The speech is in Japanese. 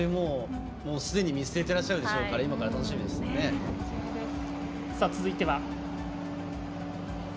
すでに見据えてらっしゃるでしょうから今から楽しみですね。